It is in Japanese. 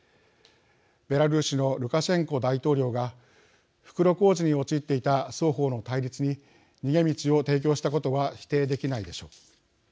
ベラルーシのルカシェンコ大統領が袋小路に陥っていた双方の対立に逃げ道を提供したことは否定できないでしょう。